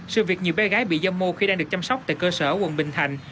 sự việc nhiều bé gái bị do mô khi đang được chăm sóc tại cơ sở quần bình thạnh